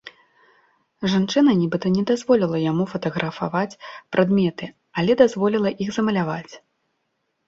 Жанчына нібыта не дазволіла яму фатаграфаваць прадметы, але дазволіла іх замаляваць.